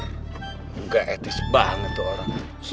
enggak etis banget tuh orangnya